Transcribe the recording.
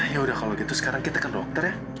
ya udah kalau gitu sekarang kita ke dokter ya